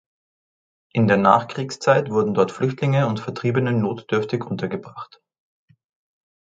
In der Nachkriegszeit wurden dort Flüchtlinge und Vertriebene notdürftig untergebracht.